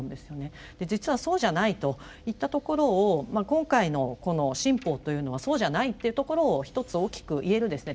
実はそうじゃないといったところを今回のこの新法というのはそうじゃないっていうところをひとつ大きく言えるですね